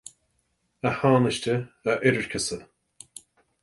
A Thánaiste, a Oirirceasa